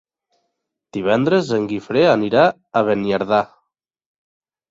Divendres en Guifré anirà a Beniardà.